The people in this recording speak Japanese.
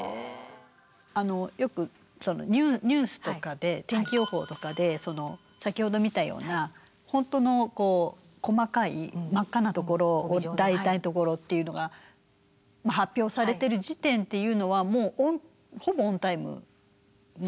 あのよくニュースとかで天気予報とかで先ほど見たような本当の細かい真っ赤なところっていうのが発表されてる時点っていうのはもうほぼオンタイムの。